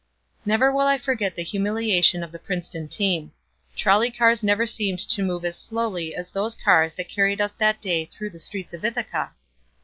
Never will I forget the humiliation of the Princeton team. Trolley cars never seemed to move as slowly as those cars that carried us that day through the streets of Ithaca.